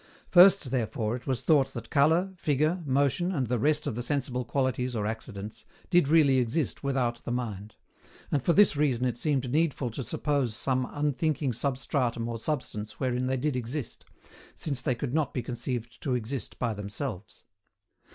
First, therefore, it was thought that colour, figure, motion, and the rest of the sensible qualities or accidents, did really exist without the mind; and for this reason it seemed needful to suppose some unthinking substratum or substance wherein they did exist, since they could not be conceived to exist by themselves.